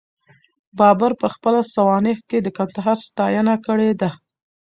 بابر په خپله سوانح کي د کندهار ستاینه کړې ده.